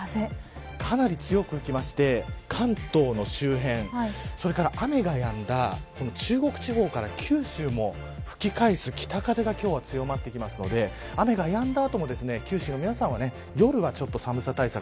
かなり強く吹きまして関東の周辺それから雨がやんだ中国地方から九州も吹き返す北風が今日は強まってきますので雨がやんだ後も九州の皆さんは夜は寒さ対策